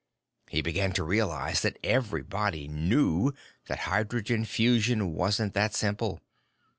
"He began to realize that 'everybody knew' that hydrogen fusion wasn't that simple.